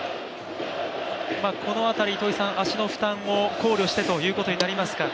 この辺り、足の負担を考慮してということになりますか？